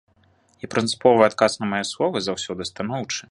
І прынцыповы адказ на мае словы заўсёды станоўчы.